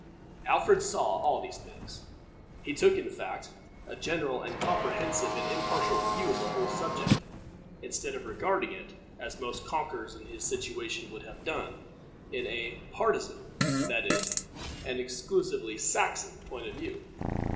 Alfred saw all these things. He took, in fact, a general, and comprehensive, and impartial view of the whole subject, instead of regarding it, as most conquerors in his situation would have done, in a partisan, that is, an exclusively Saxon point of view.